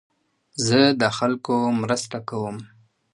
زه د خلکو مرسته کوم.